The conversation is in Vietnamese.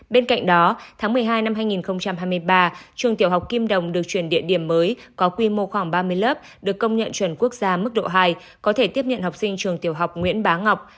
bên cạnh đó tháng một mươi hai năm hai nghìn hai mươi ba trường tiểu học kim đồng được chuyển địa điểm mới có quy mô khoảng ba mươi lớp được công nhận chuẩn quốc gia mức độ hai có thể tiếp nhận học sinh trường tiểu học nguyễn bá ngọc